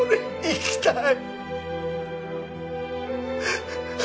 生きたい。